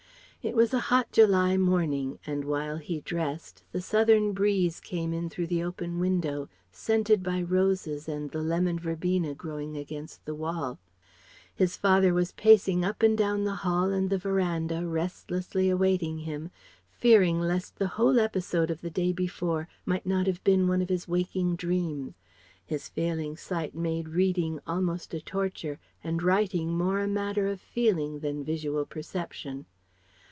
It was a hot July morning, and while he dressed, the southern breeze came in through the open window scented by the roses and the lemon verbena growing against the wall. His father was pacing up and down the hall and the verandah restlessly awaiting him, fearing lest the whole episode of the day before might not have been one of his waking dreams. His failing sight made reading almost a torture and writing more a matter of feeling than visual perception.